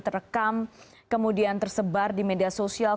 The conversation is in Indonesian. terekam kemudian tersebar di media sosial